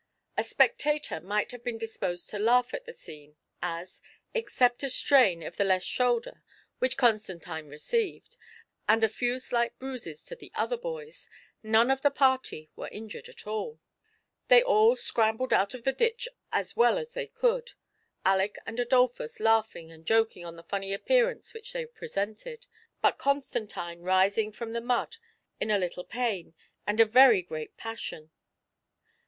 A spectator might have been disposed to laugh at the 'icene, as, except a strain of the left shoulder which Con stantine received, and a few slight bruises to the other oys, none of the party were injured at all. THE PLEASURE EXCUBSION. They all scrambled out of the ditch as well as they could, Aleck and Adolphus laughing and joking on the fimny appearance which they presented, but Constantine rising from the mud in . a little pain and a very great passion.